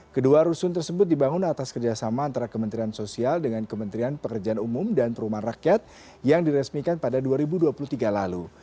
kedua rusun tersebut dibangun atas kerjasama antara kementerian sosial dengan kementerian pekerjaan umum dan perumahan rakyat yang diresmikan pada dua ribu dua puluh tiga lalu